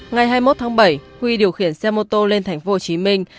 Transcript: ngày hai mươi một tháng bảy huy điều khiển xe mô tô lên thành phố hồ chí minh